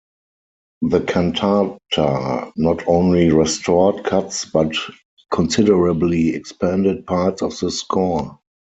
The cantata not only restored cuts but considerably expanded parts of the score.